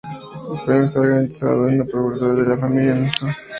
El premio está garantizado en perpetuidad por la familia Neustadt.